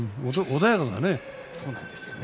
穏やかだね。